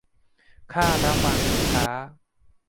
ค่าระวางสินค้า